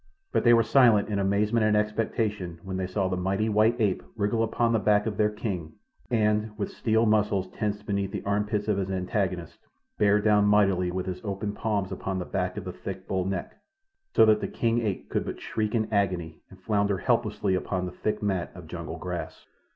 But they were silent in amazement and expectation when they saw the mighty white ape wriggle upon the back of their king, and, with steel muscles tensed beneath the armpits of his antagonist, bear down mightily with his open palms upon the back of the thick bullneck, so that the king ape could but shriek in agony and flounder helplessly about upon the thick mat of jungle grass.